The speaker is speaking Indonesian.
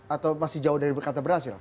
atau masih jauh dari berhasil